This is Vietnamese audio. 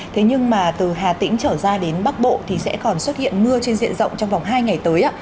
thế nhưng mà từ hà tĩnh trở ra đến bắc bộ thì sẽ còn xuất hiện mưa trên diện rộng trong vòng hai ngày tới ạ